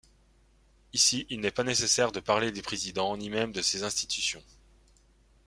Ici, il n’est pas nécessaire de parler des présidents, ni même de ses institutions.